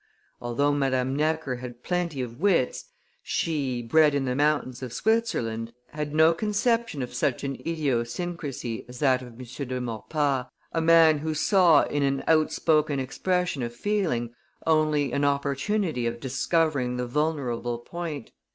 Although Madame Necker had plenty of wits, she, bred in the mountains of Switzerland, had no conception of such an idiosyncrasy as that of M. de Maurepas, a man who saw in an outspoken expression of feeling only an opportunity of discovering the vulnerable point.